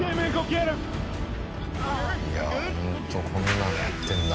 いやホントこんなんやってるんだ。